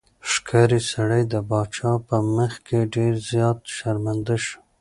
ښکاري سړی د پاچا په مخ کې ډېر زیات شرمنده شو.